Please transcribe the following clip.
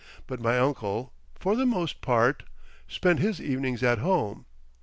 But my uncle, for the most part, spent his evenings at home.